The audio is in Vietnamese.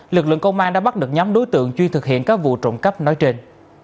lực lượng công an đã bắt được nhóm đối tượng chuyên thực hiện các vụ trộm cắp nói trên